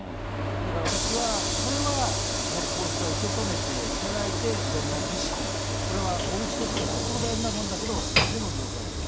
だから私は、それはやはり皇室は受け止めていただいて、いろんな儀式、これはおうちとしてはとっても大事なものだけど、全部見送られたと。